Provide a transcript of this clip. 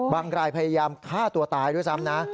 รายพยายามฆ่าตัวตายด้วยซ้ำนะ